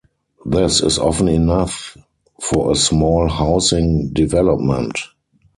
This is often enough for a small housing development.